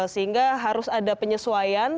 sehingga harus ada penyesuaian